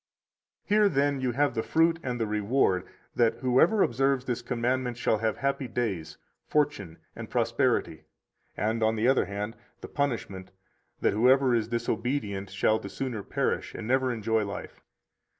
134 Here, then, you have the fruit and the reward, that whoever observes this commandment shall have happy days, fortune, and prosperity; and on the other hand, the punishment, that whoever is disobedient shall the sooner perish, and never enjoy life.